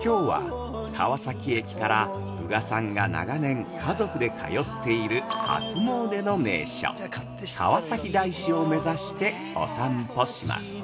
きょうは、川崎駅から宇賀さんが長年、家族で通っている初詣の名所、川崎大師を目指してお散歩します。